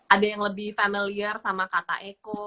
ada yang lebih familiar sama kata eko